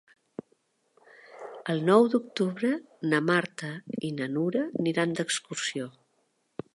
El nou d'octubre na Marta i na Nura iran d'excursió.